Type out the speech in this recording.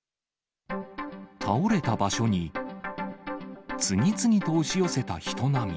倒れた場所に、次々と押し寄せた人波。